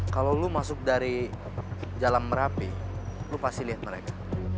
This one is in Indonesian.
kalo lu masuk dari jalan merapi lu pasti liat mereka